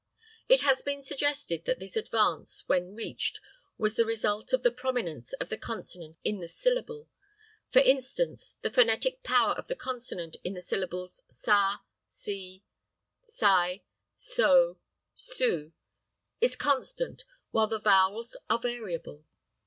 It has been suggested that this advance when reached was the result of the prominence of the consonant in the syllable. For instance, the phonetic power of the consonant in the syllables sa, se, si, so, su, is constant while the vowels are variable.